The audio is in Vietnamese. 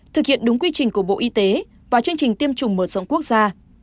thực hiện đúng quy trình của bộ y tế và chương trình tiêm chủng mở rộng quốc gia